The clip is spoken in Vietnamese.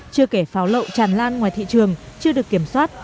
chưa kể pháo lậu tràn lan ngoài thị trường chưa được kiểm soát